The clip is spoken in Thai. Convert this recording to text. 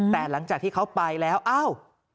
แต่หลังจากที่เขาไปแล้วอ้าว